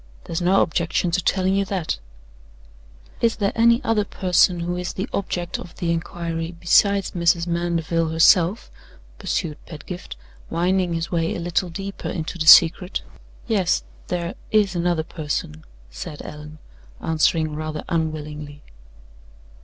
"There's no objection to telling you that." "Is there any other person who is the object of the inquiry besides Mrs. Mandeville, herself?" pursued Pedgift, winding his way a little deeper into the secret. "Yes; there is another person," said Allan, answering rather unwillingly.